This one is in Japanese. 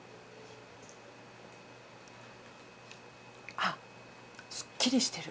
あすっきりしてる。